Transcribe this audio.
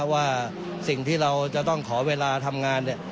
ว่าสิ่งที่เราจะต้องขอเวลาทำงาน